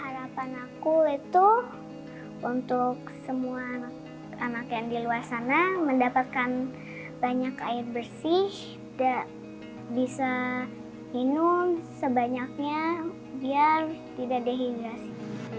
harapan aku itu untuk semua anak yang di luar sana mendapatkan banyak air bersih bisa minum sebanyaknya biar tidak dehidrasi